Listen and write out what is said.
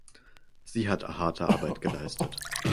Sie hat harte Arbeit geleistet.